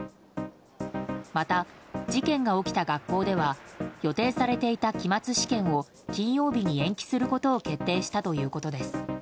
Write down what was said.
また、事件が起きた学校では予定されていた期末試験を金曜日に延期することを決定したということです。